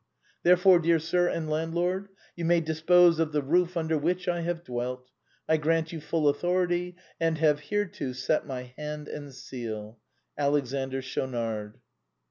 " Therefore, dear sir, and landlord, you may dispose of the roof under which I have dwelt. I grant you full au thority, and have hereto set my hand and seal. " Alexander Schadnard."